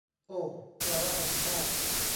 โอ้ วาระแห่งชาติ